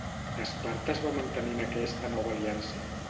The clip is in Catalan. Esparta es va mantenir en aquesta nova aliança?